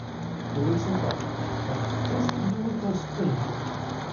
Коли це так, так хто ж тоді викрав скриньку?